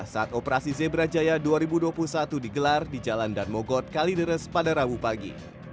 saat operasi zebra jaya dua ribu dua puluh satu digelar di jalan darmogot kalideres pada rabu pagi